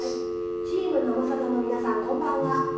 「チーム生さだの皆さんこんばんは。